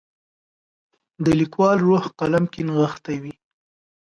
د لیکوال روح قلم کې نغښتی وي.